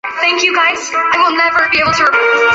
枫丹白露度假村曾为度假村创造营收新高。